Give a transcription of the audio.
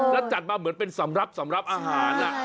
แล้วจัดมาเหมือนเป็นสำรับอาหาร